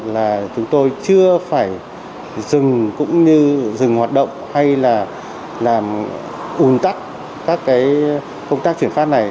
là chúng tôi chưa phải dừng cũng như dừng hoạt động hay là làm ủn tắc các công tác chuyển phát này